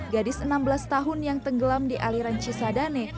gadis enam belas tahun yang tenggelam di aliran cisadane